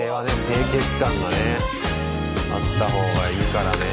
清潔感がねあった方がいいからね。